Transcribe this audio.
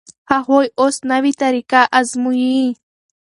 هغوی اوس نوې طریقه ازمويي.